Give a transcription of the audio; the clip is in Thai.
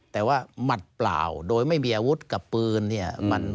แต่ว่าหมัดเปล่าโดยไม่มีอาวุธกับปืนเนี่ย